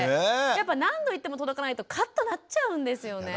やっぱ何度言っても届かないとカッとなっちゃうんですよね。